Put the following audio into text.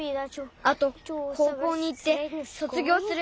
あとこうこうにいってそつぎょうする。